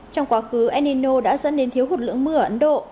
trong quá khứ enino đã dẫn đến thiếu hụt lượng mưa ở ấn độ